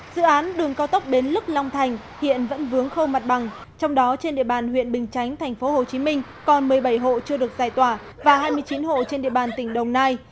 dự án đường cao tốc bến lức long thành hiện vẫn vướng khâu mặt bằng trong đó trên địa bàn huyện bình chánh tp hcm còn một mươi bảy hộ chưa được giải tỏa và hai mươi chín hộ trên địa bàn tỉnh đồng nai